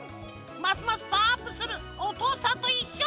ますますパワーアップする「おとうさんといっしょ」